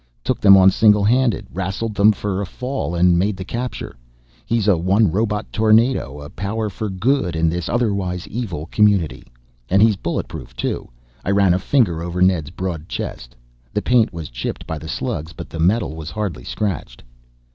"Took them on single handed, rassled them for a fall and made the capture. He is a one robot tornado, a power for good in this otherwise evil community. And he's bulletproof too." I ran a finger over Ned's broad chest. The paint was chipped by the slugs, but the metal was hardly scratched.